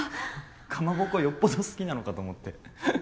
かまぼこよっぽど好きなのかと思ってフッ。